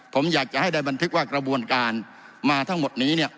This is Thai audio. ผมอยากจะให้ได้บันทึกว่ากระบวนการมาทั้งหมดนี้เนี่ย